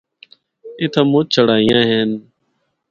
اِتھا مُچ چڑھائیاں ہن۔